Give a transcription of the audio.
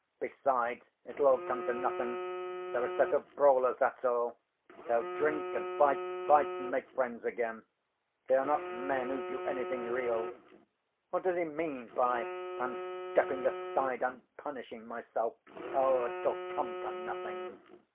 Besides, it'll all come to nothing. They're a set of brawlers, that's all. They'll drink and fight, fight and make friends again. They are not men who do anything real. What does he mean by 'I'm stepping aside, I'm punishing myself?' It'll come to nothing!